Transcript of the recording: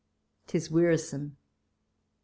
'Tis w^earisome !